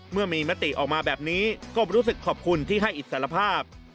เมื่อมีมติออกมาแบบนี้ก็รู้สึกขอบคุณที่ให้อิสรภาพ